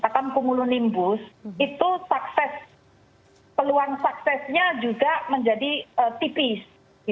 katakan kumulonimbus itu peluang suksesnya juga menjadi tipis